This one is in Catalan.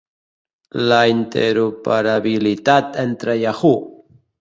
La interoperabilitat entre Yahoo!